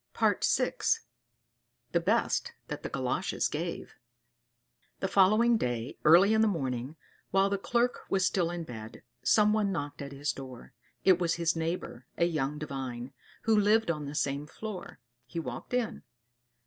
VI. The Best That the Galoshes Gave The following day, early in the morning, while the Clerk was still in bed, someone knocked at his door. It was his neighbor, a young Divine, who lived on the same floor. He walked in.